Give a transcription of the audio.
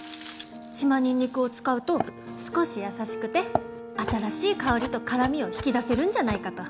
島ニンニクを使うと少し優しくて新しい香りと辛みを引き出せるんじゃないかと。